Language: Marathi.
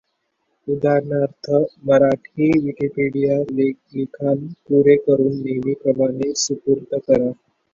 उदा. मराठी विकिपीडिया लिखाण पुरे करून नेहमीप्रमाणे सुपूर्त करा.